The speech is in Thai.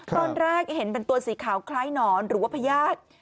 ตอนแรกเห็นเป็นตัวสีขาวคล้ายหนอนหรือว่าพญาติ